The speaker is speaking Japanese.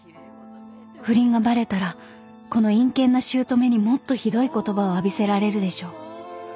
［不倫がバレたらこの陰険な姑にもっとひどい言葉を浴びせられるでしょう］